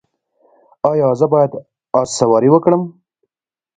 ایا زه باید اس سواري وکړم؟